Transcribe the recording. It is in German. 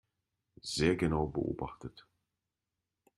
Sehr genau beobachtet.